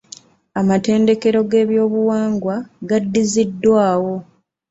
Amatendekero g'ebyobuwangwa gaddiziddwawo.